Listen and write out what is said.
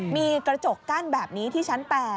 มีกระจกกั้นแบบนี้ที่ชั้น๘